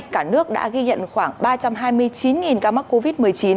cả nước đã ghi nhận khoảng ba trăm hai mươi chín ca mắc covid một mươi chín